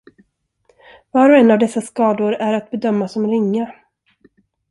Var och en av dessa skador är att bedöma som ringa.